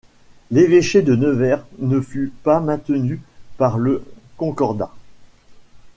L'évêché de Nevers ne fut pas maintenu par le Concordat.